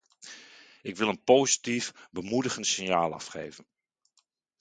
Ik wil een positief, bemoedigend signaal afgeven.